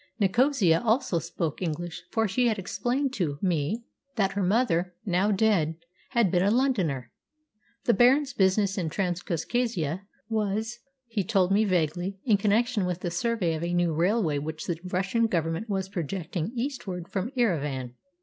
Nicosia also spoke English, for she had explained to me that her mother, now dead, had been a Londoner. The Baron's business in Transcaucasia was, he told me vaguely, in connection with the survey of a new railway which the Russian Government was projecting eastward from Erivan.